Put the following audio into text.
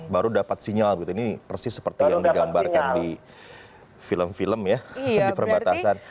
baru dapat sinyal ini persis seperti yang digambarkan di film film ya di perbatasan